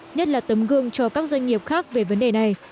nhất là tấm gương cho các doanh nghiệp khác về vấn đề này